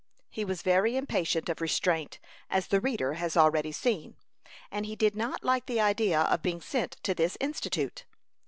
He was very impatient of restraint, as the reader has already seen, and he did not like the idea of being sent to this Institute.